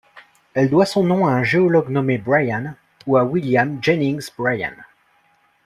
Elle doit son nom à un géologue nommé Brian ou à William Jennings Bryan.